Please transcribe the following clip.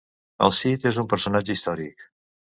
El Cid és un personatge històric.